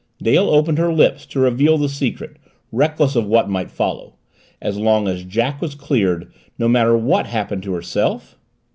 Dale opened her lips to reveal the secret, reckless of what might follow. As long as Jack was cleared what matter what happened to herself?